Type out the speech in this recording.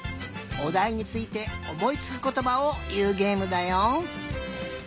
おだいについておもいつくことばをいうげえむだよ。